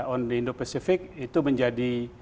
on indo pacific itu menjadi